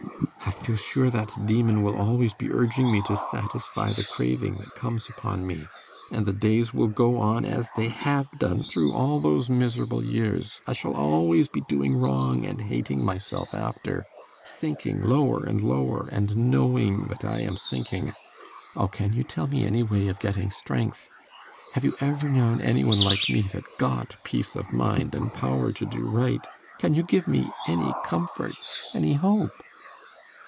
I feel sure that demon will always be urging me to satisfy the craving that comes upon me, and the days will go on as they have done through all those miserable years. I shall always be doing wrong, and hating myself after sinking lower and lower, and knowing that I am sinking. O can you tell me any way of getting strength? Have you ever known any one like me that got peace of mind and power to do right? Can you give me any comfort any hope?